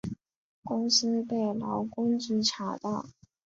公司被劳工局查到